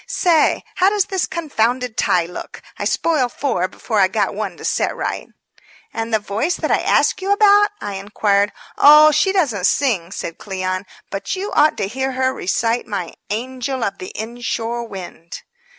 Say, how does this confounded tie look? I spoiled four before I got one to set right." "And the Voice that I asked you about?" I inquired. "Oh, she doesn't sing," said Cleon. "But you ought to hear her recite my 'Angel of the Inshore Wind.'"